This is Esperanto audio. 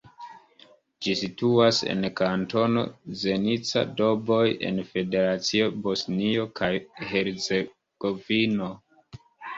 Ĝi situas en Kantono Zenica-Doboj en Federacio Bosnio kaj Hercegovino.